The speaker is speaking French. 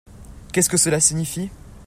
Qu’est-ce que cela signifie?